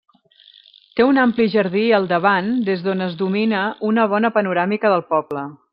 Té un ampli jardí al davant des d'on es domina una bona panoràmica del poble.